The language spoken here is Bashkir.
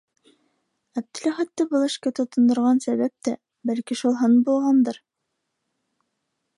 Әптеләхәтте был эшкә тотондорған сәбәп тә, бәлки, шул һын булғандыр.